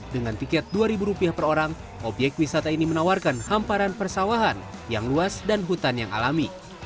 dengan tiket rp dua per orang obyek wisata ini menawarkan hamparan persawahan yang luas dan hutan yang alami